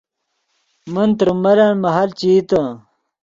من تریم ملن مہل چے ایتے